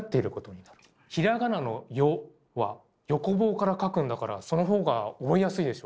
平仮名の「よ」は横棒から書くんだからその方が覚えやすいでしょ。